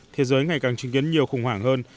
thế giới ngày càng chứng kiến nhiều khủng hoảng hơn